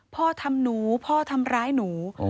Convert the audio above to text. พ่อทำหนูพ่อทำร้ายหนู